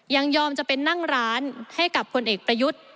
ยังยอมจะเป็นนั่งร้านให้กับผลเอกประยุทธ์